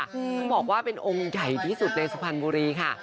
ซึ่งบอกว่าเป็นองค์ใหญ่ที่สุดในสุพรรณบุรีค่ะ